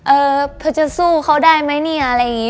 เออเธอจะสู้เขาได้ไหมเนี่ยอะไรอย่างนี้